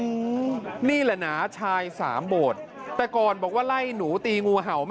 ยังเหลือความเป็นชายชาตรีอยู่ไหม